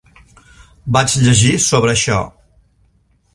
Vaig llegir sobre això.